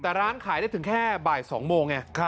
แต่ร้านขายได้ถึงแค่บ่าย๒โมงไง